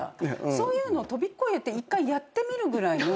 そういうのを飛び越えて１回やってみるぐらいの。